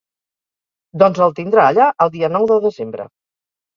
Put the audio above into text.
Doncs el tindrà allà el dia nou de Desembre.